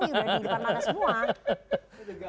barang kehidupan mana semua